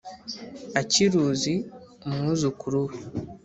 akiruzi umwuzukuru we